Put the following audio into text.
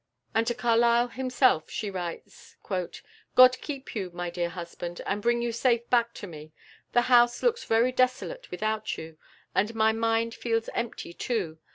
And to Carlyle himself she writes: "God keep you, my dear husband, and bring you safe back to me. The house looks very desolate without you, and my mind feels empty too.